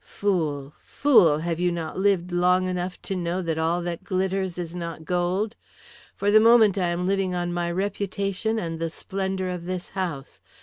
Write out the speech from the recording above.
Fool, fool, have you not lived long enough to know that all that glitters is not gold! For the moment I am living on my reputation and the splendour of this house.